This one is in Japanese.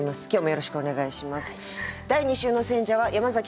よろしくお願いします。